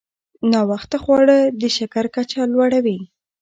ناوخته خواړه د شکر کچه لوړوي.